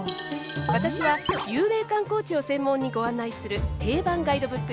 私は有名観光地を専門にご案内する定番ガイドブックです。